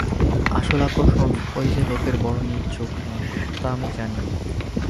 আসল আকর্ষণ যে ঐ লোকের বড় নীল চোখ না, তা আমি জানি।